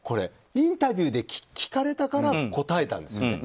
インタビューで聞かれたから答えたんですよ。